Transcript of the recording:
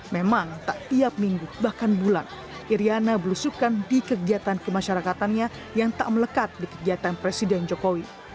memang tak tiap minggu bahkan bulan iryana berusukan di kegiatan kemasyarakatannya yang tak melekat di kegiatan presiden jokowi